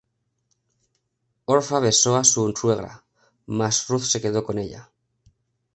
Orpha besó á su suegra, mas Ruth se quedó con ella.